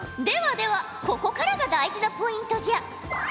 ではではここからが大事なポイントじゃ。